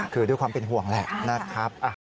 คือด้วยความเป็นห่วงแหละนะครับ